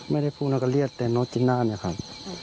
ไม่ได้พูดนักเรียนแต่โนจินาเนี่ยครับ